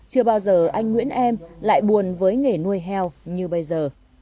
chưa bao giờ anh nguyễn em lại buồn với nghề nuôi heo như bây giờ